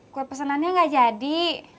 kue pesenannya nggak jadi